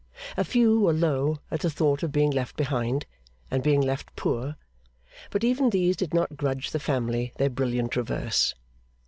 A few were low at the thought of being left behind, and being left poor; but even these did not grudge the family their brilliant reverse.